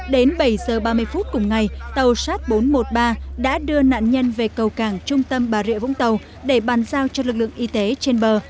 đến bảy giờ ba mươi phút cùng ngày tàu shat bốn trăm một mươi ba đã đưa nạn nhân về cầu cảng trung tâm bà rịa vũng tàu để bàn giao cho lực lượng y tế trên bờ